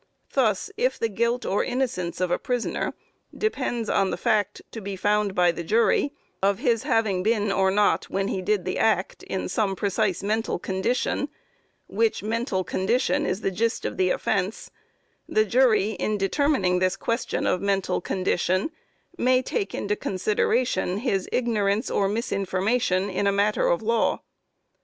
Thus, if the guilt or innocence of a prisoner, depends on the fact to be found by the jury, of his having been or not, when he did the act, in some precise mental condition, which mental condition is the gist of the offence, the jury in determining this question of mental condition, may take into consideration his ignorance or misinformation in a matter of law.